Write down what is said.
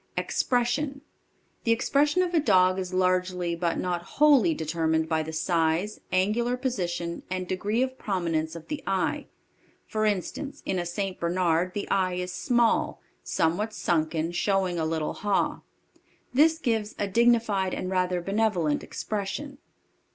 Expression. The expression of a dog is largely but not wholly determined by the size, angular position, and degree of prominence of the eye. For instance in a St. Bernard the eye is small, somewhat sunken, showing a little haw. This gives a dignified and rather benevolent expression.